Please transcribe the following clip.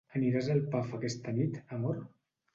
Aniràs al pub aquesta nit, amor?